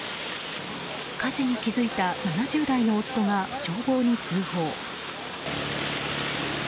火事に気付いた７０代の夫が消防に通報。